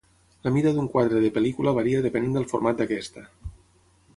La mida d'un quadre de pel·lícula varia depenent del format d'aquesta.